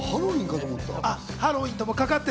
ハロウィーンかと思った。